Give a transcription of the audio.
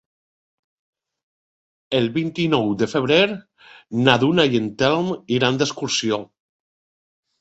El vint-i-nou de febrer na Duna i en Telm iran d'excursió.